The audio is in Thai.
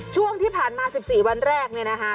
ช่วงที่ผ่านมา๑๔วันแรกเนี่ยนะคะ